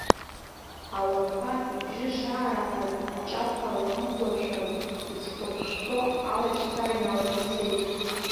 Алақәа ибжьы шаараҳаз аҿаԥа ларыхәлашәан, иҵхәыршәшәо алашьцара иналаӡ ицеит.